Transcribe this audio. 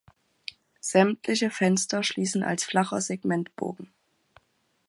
Sämtliche Fenster schließen als flacher Segmentbogen.